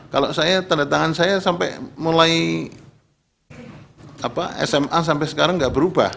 kalau saya tandatangan saya sampai mulai sma sampai sekarang enggak berubah